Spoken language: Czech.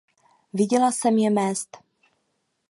Viděla jsem je mést.